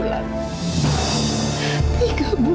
allah minta waktu tiga bulan